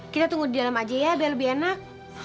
kita tunggu di dalam aja ya biar lebih enak